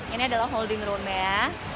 ini adalah holding roomnya